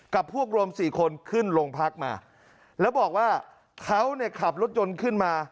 กับพวกรวมสี่คนขึ้นโรงพักมาแล้วบอกว่าเขาเนี่ยขับรถยนต์ขึ้นมา